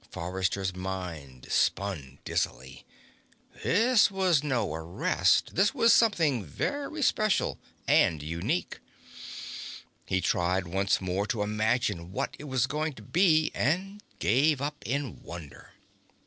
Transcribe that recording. Forrester's mind spun dizzily. This was no arrest. This was something very special and unique. He tried once more to imagine what it was going to be, and gave it up in wonder.